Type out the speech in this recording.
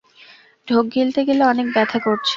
ঢোক গিলতে গেলে অনেক ব্যথা করছে।